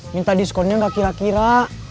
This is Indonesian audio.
minta diskonnya gak kira kira